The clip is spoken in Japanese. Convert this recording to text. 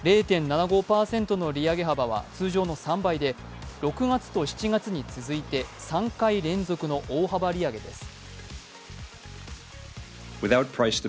０．７５％の利上げ幅は通常の３倍で６月と７月に続いて３回連続の大幅利上げです。